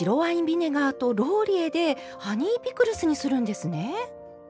ビネガーとローリエでハニーピクルスにするんですね。